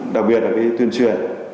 đặc biệt là tuyên truyền